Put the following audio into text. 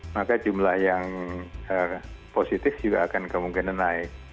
maka jumlah yang positif juga akan kemungkinan naik